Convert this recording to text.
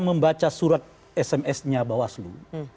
membaca surat sms nya bawaslu